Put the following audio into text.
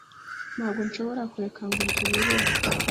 ntabwo nshobora kureka ngo ibyo bibeho